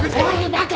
バカ！